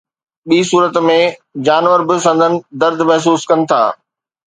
ٻي صورت ۾ جانور به سندن درد محسوس ڪن ٿا.